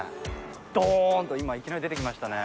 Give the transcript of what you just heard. ドーンと今いきなり出てきましたね。